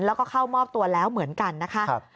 แล้วก็เข้ามอบตัวแล้วเหมือนกันนะคะ